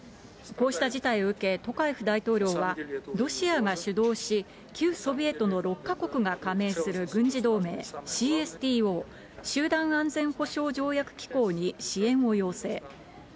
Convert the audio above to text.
こうした事態を受け、トカエフ大統領は、ロシアが主導し、旧ソビエトの６か国が加盟する軍事同盟、ＣＳＴＯ・集団安全保障条約機構に支援を要請。